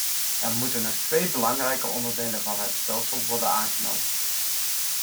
Er moeten nog twee belangrijke onderdelen van het stelsel worden aangenomen.